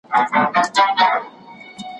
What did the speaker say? هر څوک د خپل فکر د بدلولو حق لري.